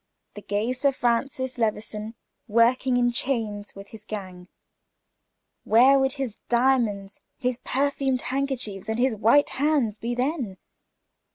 The gay Sir Francis Levison working in chains with his gang! Where would his diamonds and his perfumed handkerchiefs and his white hands be then?